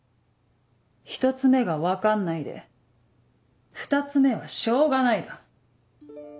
１つ目が「分かんない」で２つ目は「しょうがない」だ。